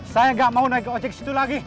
saya nggak mau naik ke ojek situ lagi